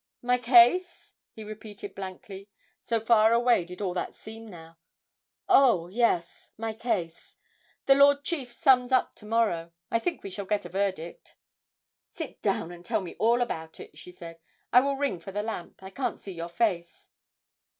'My case?' he repeated blankly, so far away did all that seem now. 'Oh, yes, my case the Lord Chief sums up to morrow. I think we shall get a verdict.' 'Sit down and tell me all about it,' she said. 'I will ring for the lamp. I can't see your face.'